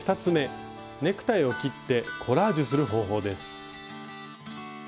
ネクタイを切ってコラージュする方法です。